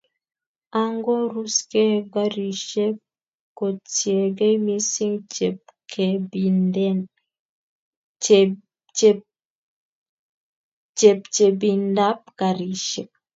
Angoruskei garisyek kotiegei missing chepchebindab garisyek.